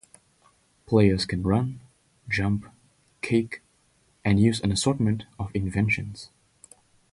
Players can run, jump, kick, and use an assortment of inventions.